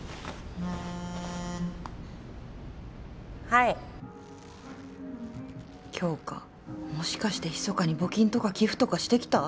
はい杏花もしかしてひそかに募金とか寄付とかしてきた？